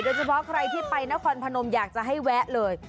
โดยเฉพาะใครที่ไปนครพนมอยากจะให้แวะเลย